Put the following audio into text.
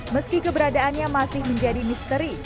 meski keberadaannya masih menjadi misteri